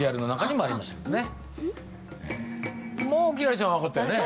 もう輝星ちゃん分かったよね